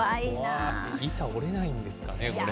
板折れないんですかね、これ。